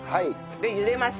で茹でます。